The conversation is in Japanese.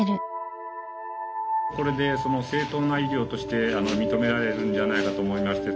これで正当な医療として認められるんじゃないかと思いまして。